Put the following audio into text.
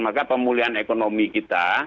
maka pemulihan ekonomi kita